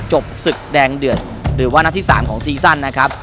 จบศึกแดงเดือดหรือว่านัดที่๓ของซีซั่นนะครับ